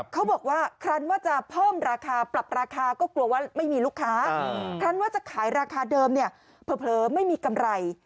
เขาบอกว่าครั้นว่าจะเพิ่มราคาปรับราคาก็กลัวว่าไม่มีลูกค้าครั้นว่าจะขายราคาเดิมเนี่ยเผลอไม่มีกำไร